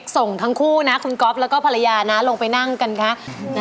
ส่งทั้งคู่นะคุณก๊อฟแล้วก็ภรรยานะลงไปนั่งกันคะ